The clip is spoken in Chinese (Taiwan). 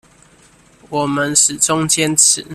我們始終堅持